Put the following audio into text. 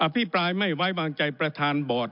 พี่ปรายไม่ไว้วางใจประธานบอร์ด